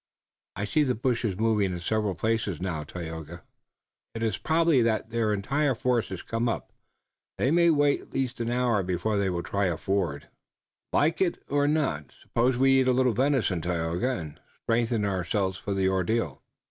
I see the bushes moving in several places now, Tayoga." "It is probable that their entire force has come up. They may wait at least an hour before they will try a ford." "Like as not. Suppose we eat a little venison, Tayoga, and strengthen ourselves for the ordeal."